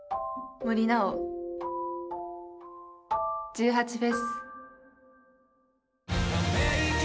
１８祭。